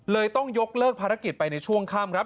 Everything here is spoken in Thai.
ต้องยกเลิกภารกิจไปในช่วงค่ำครับ